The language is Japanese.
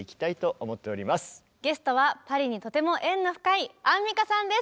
ゲストはパリにとても縁の深いアンミカさんです。